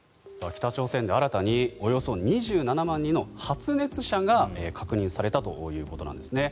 北朝鮮で新たにおよそ２７万人の発熱者が確認されたということです。